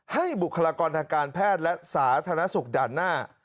บุคลากรทางการแพทย์และสาธารณสุขด่านหน้า